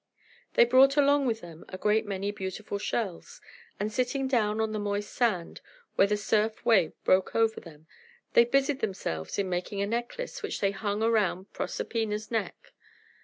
They brought along with them a great many beautiful shells; and, sitting down on the moist sand, where the surf wave broke over them, they busied themselves in making a necklace, which they hung round Proserpina's neck.